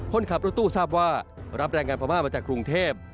คนขับรถตู้ทราบว่ารับแรงงานพม่ามาจากกรุงเทพ